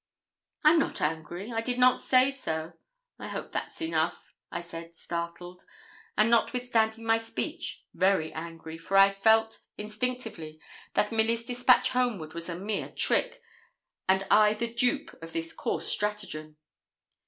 'I'm not angry. I did not say so. I hope that's enough,' I said, startled; and, notwithstanding my speech, very angry, for I felt instinctively that Milly's despatch homeward was a mere trick, and I the dupe of this coarse stratagem.